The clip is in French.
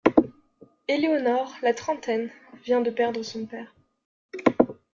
Éléonore, la trentaine, vient de perdre son père.